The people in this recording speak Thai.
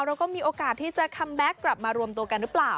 แล้วก็มีโอกาสที่จะกลับมารวมตัวกันหรือเปล่า